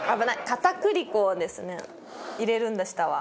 片栗粉をですね入れるんでしたわ。